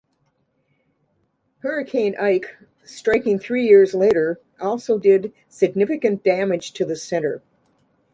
Hurricane Ike, striking three years later, also did significant damage to the Center.